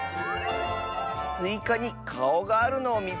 「スイカにかおがあるのをみつけた！」。